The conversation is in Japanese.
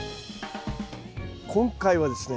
今回はですね